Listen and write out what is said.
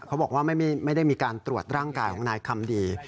เขาบอกว่าไม่ได้มีการตรวจร่างกายของนายคำดี